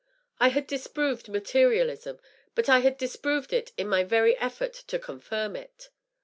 I had disproved materialism, but I had disproved it in my very effort to confirm it.